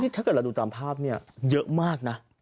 ถ้าเกิดเราดูตามภาพเนี่ยเยอะมากนะ